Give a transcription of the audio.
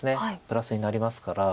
プラスになりますから。